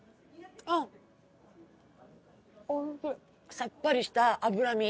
さっぱりした脂身。